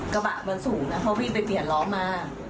กระบะมันสูงนะเพราะวิ่งไปเปลี่ยนล้อมา